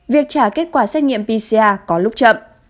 việc trả kết quả xét nghiệm pcr có lúc chậm